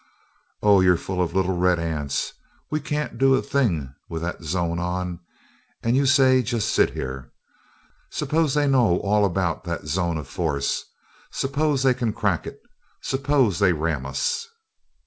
"Oh, you're full of little red ants! We can't do a thing with that zone on and you say just sit here. Suppose they know all about that zone of force? Suppose they can crack it? Suppose they ram us?"